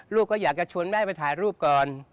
ก็อยากจะชวนแม่ไปถ่ายรูปก่อน